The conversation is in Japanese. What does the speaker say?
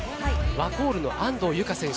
ワコールの安藤友香選手